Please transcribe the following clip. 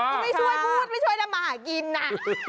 ไม่ช่วยพูดไม่ช่วยทำมาหากินน่ะ